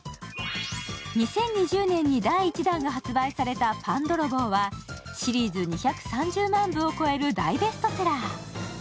２０２０年に第１弾が発売された「パンどろぼう」はシリーズ２３０万部を超える大ベストセラー。